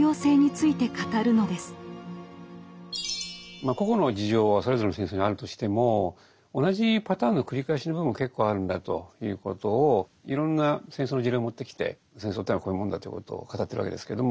まあ個々の事情はそれぞれの戦争にあるとしても同じパターンの繰り返しの部分も結構あるんだということをいろんな戦争の事例を持ってきて戦争っていうのはこういうもんだということを語ってるわけですけれども。